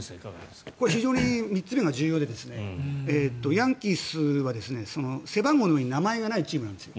３つ目が重要でヤンキースは背番号の上に名前がないチームなんです。